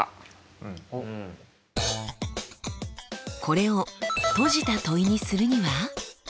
これを閉じた問いにするには？